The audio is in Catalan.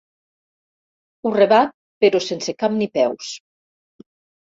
Ho rebat, però sense cap ni peus.